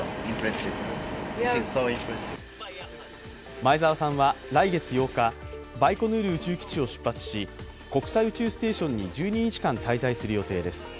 前澤さんは来月８日、バイコヌール宇宙基地を出発し国際宇宙ステーションに１２日間滞在する予定です。